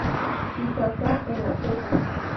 Isaza en La Ceja.